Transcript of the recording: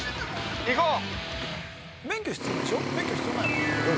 行こう！